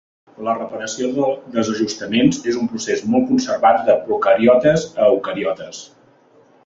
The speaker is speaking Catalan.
La reparació de desajustaments és un procés molt conservat de procariotes a eucariotes.